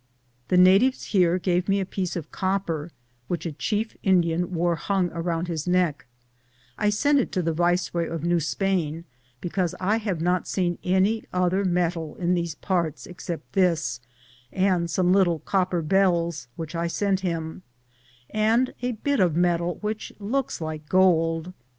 The natives here gave me a piece of copper which a chief Indian wore hung around bis neck ; I sent it to the viceroy of New Spain, because I have not seen any other metal in these parts ex cept this and some little copper bells which I sent him, and a bit of metal which looks like gold.